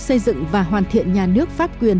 xây dựng và hoàn thiện nhà nước pháp quyền